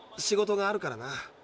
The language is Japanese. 仕事があるからな。